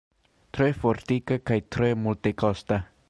Tre fortika kaj tre multekosta.